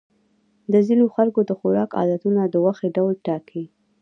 د ځینو خلکو د خوراک عادتونه د غوښې ډول ټاکي.